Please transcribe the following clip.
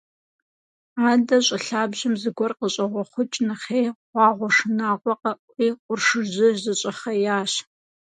Адэ щӏы лъабжьэм зыгуэр къыщӏэгъуэхъукӏ нэхъей, гъуагъуэ шынагъуэ къэӏури, къуршыжьыр зэщӏэхъеящ.